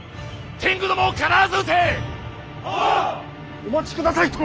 お待ちください殿！